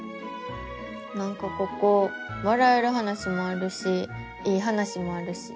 なんかここわらえる話もあるしいい話もあるし